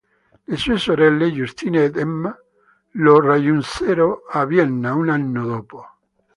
Le sue sorelle Justine ed Emma lo raggiunsero a Vienna un anno dopo.